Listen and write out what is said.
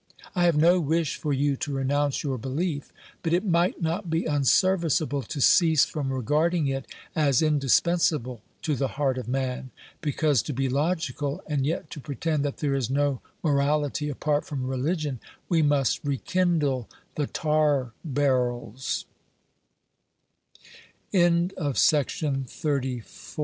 I have no wish for you to renounce your belief, but it might not be unserviceable to cease from regarding it as indispensable to the heart of man, because, to be logical and yet to pretend that there is no morality apart from religion, we must reki